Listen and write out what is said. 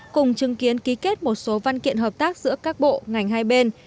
cùng chứng kiến ký kết một số văn kiện hợp tác giữa các bộ ngành hai bên